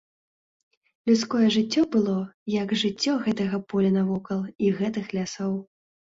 Людское жыццё было, як жыццё гэтага поля навокал і гэтых лясоў.